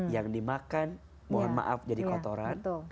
yang dimakan mohon maaf jadi kotoran